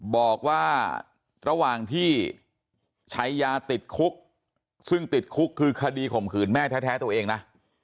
บอกว่าระหว่างที่ใช้ยาติดคุกซึ่งติดคุกคือคดีข่มขืนแม่แท้ตัวเองนะ